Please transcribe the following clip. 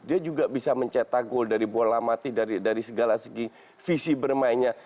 dia juga bisa mencetak gol dari bola mati dari segala segi visi bermainnya